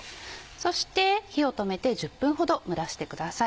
そして火を止めて１０分ほど蒸らしてください。